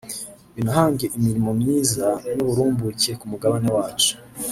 binahange imirimo myiza n’uburumbuke ku mugabane wacu